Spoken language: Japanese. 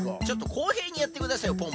ちょっとこうへいにやってくださいよ